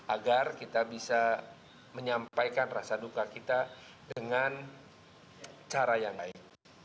agar kita bisa menyampaikan rasa duka kita dengan cara yang lain